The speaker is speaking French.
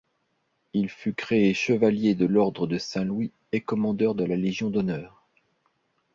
Il fut créé chevalier de l'ordre de Saint-Louis et commandeur de la Légion d'honneur.